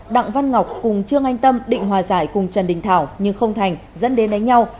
đặng văn ngọc cùng trương anh tâm định hòa giải cùng trần đình thảo nhưng không thành dẫn đến đánh nhau